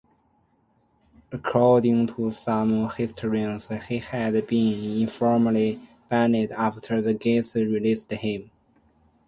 According to some historians, he had been informally banned after the Giants released him.